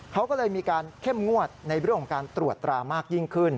เขาก็เลยมีการเข้มงวดในเรื่องของการตรวจตรามากยิ่งขึ้น